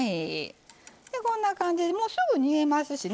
こんな感じですぐ煮えますしね。